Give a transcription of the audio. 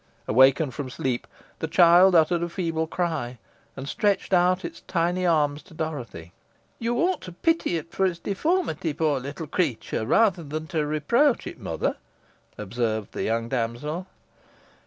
Awakened from sleep, the child uttered a feeble cry, and stretched out its tiny arms to Dorothy. "You ought to pity it for its deformity, poor little creature, rather than reproach it, mother," observed the young damsel.